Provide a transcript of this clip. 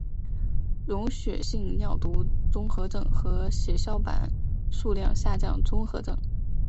溶血性尿毒综合征和血小板数量下降综合征。